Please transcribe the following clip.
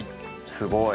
すごい。